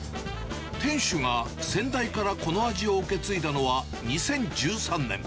店主が先代からこの味を受け継いだのは、２０１３年。